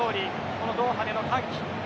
このドーハでの歓喜。